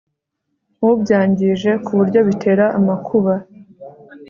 ubyangije ku buryo bitera amakuba